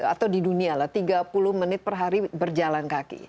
atau di dunia lah tiga puluh menit per hari berjalan kaki